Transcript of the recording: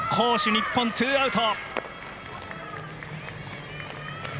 日本、ツーアウト。